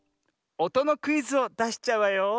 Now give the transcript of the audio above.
おとのクイズをだしちゃうわよ。